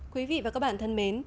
quý vị và các bạn thân mến